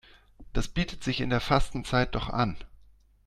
Das bietet sich in der Fastenzeit doch an.